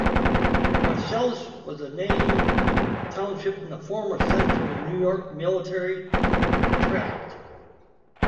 Marcellus was a named township in the former Central New York Military Tract.